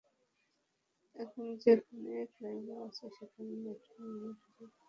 এখন যেখানে ফ্লাইওভার আছে, সেখানে মেট্রোরেল নির্মাণের সুযোগ রাখলে ভালো হতো।